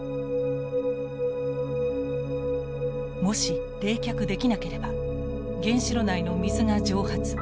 もし冷却できなければ原子炉内の水が蒸発。